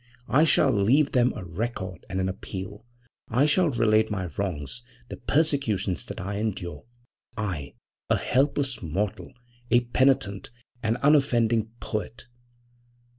I shall leave them a record and an appeal. I shall relate my wrongs, the persecutions that I endure I, a helpless mortal, a penitent, an unoffending poet!'